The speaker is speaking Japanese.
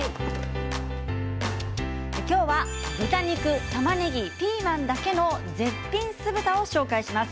今日は豚肉、たまねぎピーマンだけの絶品酢豚を紹介します。